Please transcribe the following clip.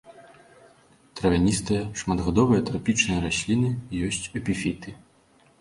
Травяністыя шматгадовыя трапічныя расліны, ёсць эпіфіты.